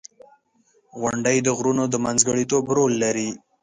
• غونډۍ د غرونو د منځګړیتوب رول لري.